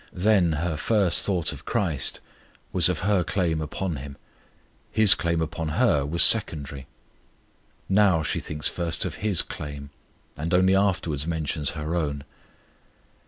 Then her first thought of CHRIST was of her claim upon Him: His claim upon her was secondary. Now she thinks first of His claim; and only afterwards mentions her own.